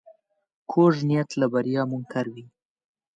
کوږ نیت له بریا منکر وي